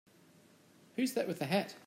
Who's that with the hat?